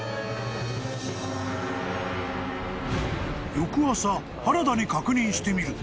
［翌朝原田に確認してみると］